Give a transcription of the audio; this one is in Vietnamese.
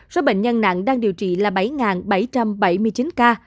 số bệnh nhân nặng đang điều trị là bảy bảy trăm bảy mươi chín ca